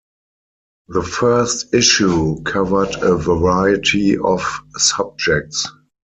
The first issue covered a variety of subjects.